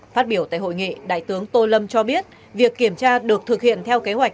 phát biểu tại hội nghị đại tướng tô lâm cho biết việc kiểm tra được thực hiện theo kế hoạch